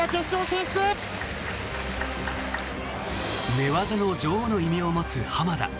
寝技の女王の異名を持つ濱田。